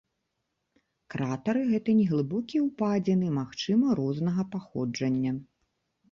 Кратары гэта неглыбокія ўпадзіны, магчыма, рознага паходжання.